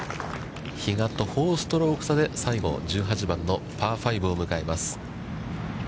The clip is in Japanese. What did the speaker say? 比嘉と４ストローク差で最後１８番のパー５を迎えます。